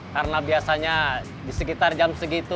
karena biasanya di sekitar jam segitu